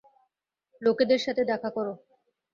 লোকদের সাথে দেখা করো।